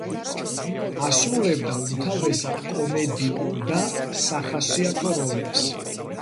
ასრულებდა უმთავრესად კომედიურ და სახასიათო როლებს.